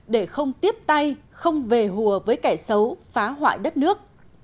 để không tiếp tay không về hùa với kẻ xấu phá hoại đất nước